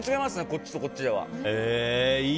こっちとこっちでは。